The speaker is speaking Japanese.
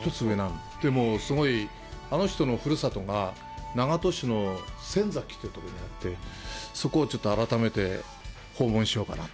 もう、すごいあの人のふるさとが長門市の仙崎というところにあって、そこをちょっと改めて訪問しようかなと。